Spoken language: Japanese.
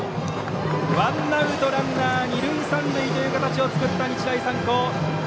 ワンアウトランナー、二塁三塁の形を作った日大三高。